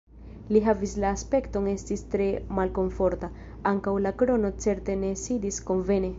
Li havis la aspekton esti tre malkomforta; ankaŭ la krono certe ne sidis konvene.